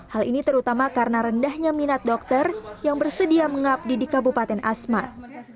hal ini terutama karena rendahnya minat dokter yang bersedia mengabdi di kabupaten asmat